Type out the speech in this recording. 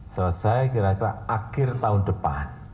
selesai kira kira akhir tahun depan